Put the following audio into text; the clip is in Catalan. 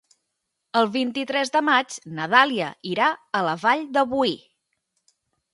El vint-i-tres de maig na Dàlia irà a la Vall de Boí.